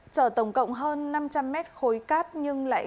chở tổng cộng hơn năm trăm linh mét khối cát nhưng lại